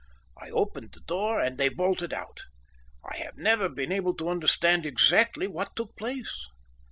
I opened the door, and they bolted out. I have never been able to understand exactly what took place."